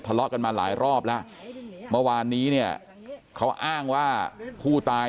ทะเลาะกันมาหลายรอบแล้วเมื่อวานนี้เนี่ยเขาอ้างว่าผู้ตาย